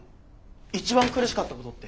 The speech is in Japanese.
一番苦しかったことって？